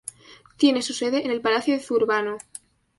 Tiene su sede en el Palacio de Zurbano.